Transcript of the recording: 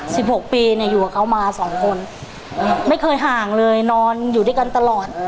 หกปีเนี้ยอยู่กับเขามาสองคนไม่เคยห่างเลยนอนอยู่ด้วยกันตลอด